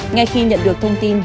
ngay khi nhận được thông tin